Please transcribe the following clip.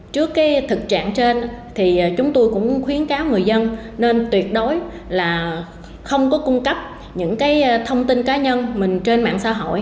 trước thực trạng trên chúng tôi cũng khuyến cáo người dân nên tuyệt đối không cung cấp thông tin cá nhân trên mạng xã hội